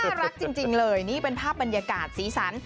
รักจริงเลยนี่เป็นภาพบรรยากาศสีสัน